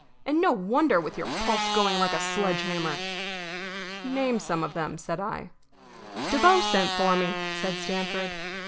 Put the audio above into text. and no wonder, with your pulse going like a sledge hammer." "Name some of them," said I. "Devoe sent for me," said Stamford.